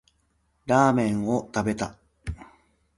ラーメンを食べた